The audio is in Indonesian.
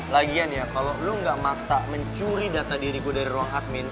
lagian ya kalau lo gak maksa mencuri data diri gue dari ruang admin